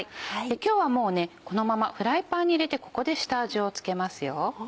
今日はこのままフライパンに入れてここで下味を付けますよ。